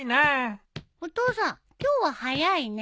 お父さん今日は早いね。